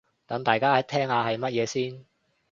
等大家聽下係乜嘢先